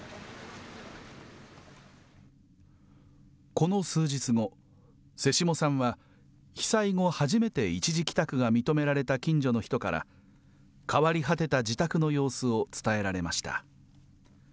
この数日後、瀬下さんは被災後初めて一時帰宅が認められた近所の人から、変わり果てた自宅の様子を伝えられました。